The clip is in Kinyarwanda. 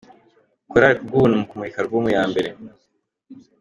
Korali Kubwubuntu mu kumurika Alubumu ya mbere